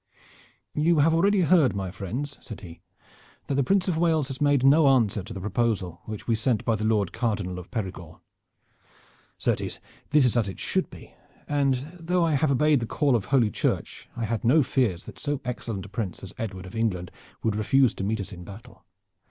"You have already heard, my friends," said he, "that the Prince of Wales has made no answer to the proposal which we sent by the Lord Cardinal of Perigord. Certes this is as it should be, and though I have obeyed the call of Holy Church I had no fears that so excellent a Prince as Edward of England would refuse to meet us in battle.